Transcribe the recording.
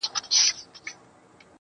اوس مي لا په هر رگ كي خـوره نـــه ده